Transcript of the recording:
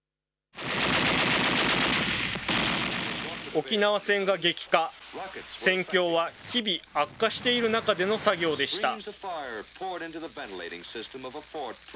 沖縄戦が激化、戦況は日々悪化している中での作業でした。